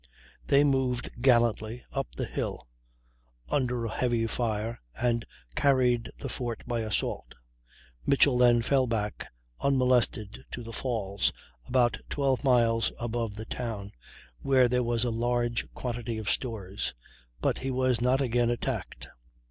They moved gallantly up the hill, under a heavy fire, and carried the fort by assault; Mitchell then fell back unmolested to the Falls, about 12 miles above the town, where there was a large quantity of stores. But he was not again attacked.